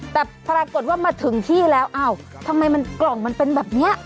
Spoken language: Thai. แต่ปรากฏว่ามาถึงที่แล้วอ้าวทำไมมันกล่องมันเป็นแบบนี้